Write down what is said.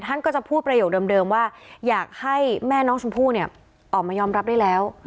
ท่านก็จะพูดประโยคเดิมว่าอยากให้แม่น้องชมพู่เนี่ยออกมายอมรับได้แล้ว